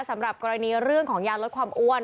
สำหรับกรณีเรื่องของยาลดความอ้วน